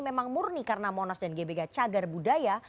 memang murni karena monas dan gbk cagar budaya